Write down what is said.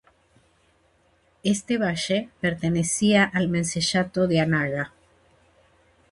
Este valle pertenecía al menceyato de Anaga.